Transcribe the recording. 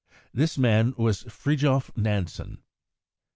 This man was Fridtjof Nansen.